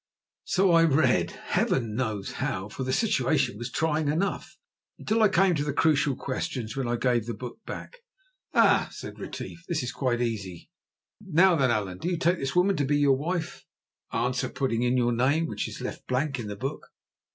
So I read, Heaven knows how, for the situation was trying enough, until I came to the crucial questions, when I gave the book back. "Ah!" said Retief; "this is quite easy. Now then, Allan, do you take this woman to be your wife? Answer, putting in your name, which is left blank in the book."